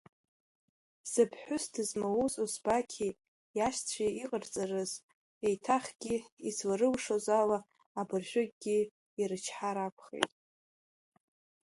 Зыԥҳәыс дызмауз Озбақьи иашьцәеи иҟарҵарыз, еиҭахгьы изларылшоз ала абыржәыкгьы ирычҳар акәхеит.